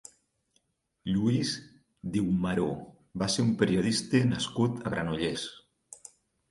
Lluís Diumaró va ser un periodista nascut a Granollers.